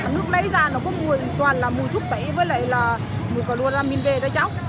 nước lấy ra nó có mùi toàn là mùi thuốc tẩy với lại là mùi carotamin b đấy cháu